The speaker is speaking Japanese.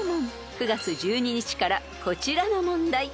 ［９月１２日からこちらの問題］